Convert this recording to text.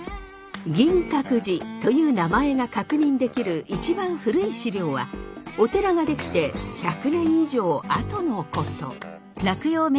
「銀閣寺」という名前が確認できる一番古い史料はお寺が出来て１００年以上あとのこと。